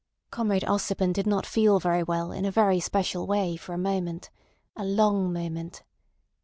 Comrade Ossipon did not feel very well in a very special way for a moment—a long moment.